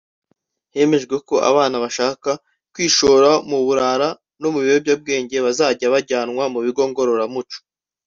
Hemejwe ko abana bashaka kwishora mu burara no mu biyobyabwenge bazajya bajyanwa mu bigo ngororamuco